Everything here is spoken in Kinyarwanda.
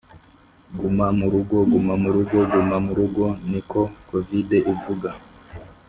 Guma mu rugo guma mu rugo guma mu rugo niko kovide ivuga